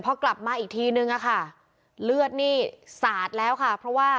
พอกลับมาอีกทีนึงอะค่ะเลือดนี่สาดแล้วค่ะเพราะว่า